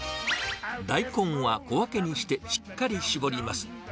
大根は小分けにしてしっかり絞ります。